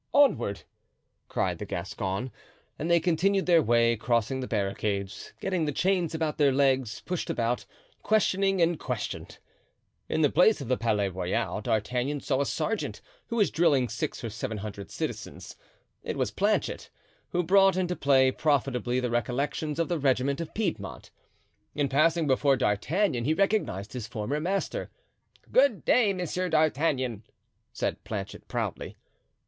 onward!" cried the Gascon. And they continued their way, crossing the barricades, getting the chains about their legs, pushed about, questioning and questioned. In the place of the Palais Royal D'Artagnan saw a sergeant, who was drilling six or seven hundred citizens. It was Planchet, who brought into play profitably the recollections of the regiment of Piedmont. In passing before D'Artagnan he recognized his former master. "Good day, Monsieur d'Artagnan," said Planchet proudly.